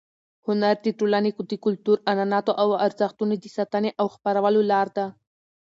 هنر د ټولنې د کلتور، عنعناتو او ارزښتونو د ساتنې او خپرولو لار ده.